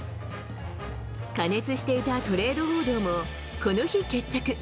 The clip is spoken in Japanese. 過熱していたトレード報道も、この日決着。